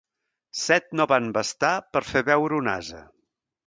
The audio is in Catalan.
Set no van bastar per fer beure un ase.